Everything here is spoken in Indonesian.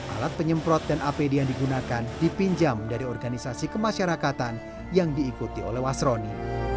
alat penyemprot dan apd yang digunakan dipinjam dari organisasi kemasyarakatan yang diikuti oleh wasroni